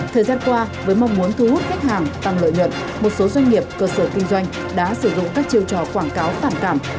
thời gian qua với mong muốn thu hút khách hàng tăng lợi nhuận một số doanh nghiệp cơ sở kinh doanh đã sử dụng các chiêu trò quảng cáo phản cảm